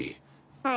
はい。